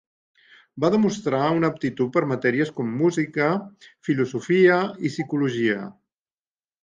Va demostrar una aptitud per matèries com música, filosofia i psicologia.